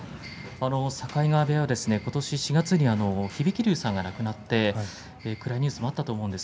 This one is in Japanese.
境川部屋は、ことし１月に響龍さんが亡くなって暗いニュースがあったと思います。